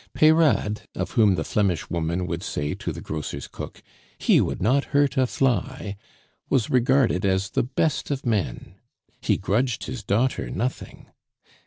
Peyrade, of whom the Flemish woman would say to the grocer's cook, "He would not hurt a fly!" was regarded as the best of men. He grudged his daughter nothing.